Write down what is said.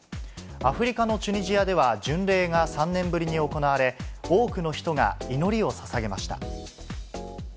アフリカのチュニジアでは巡礼が３年ぶりに行われ、多くの人が祈りをささげました。